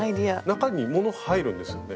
中にもの入るんですよね？